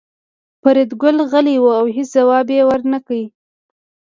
فریدګل غلی و او هېڅ ځواب یې ورنکړ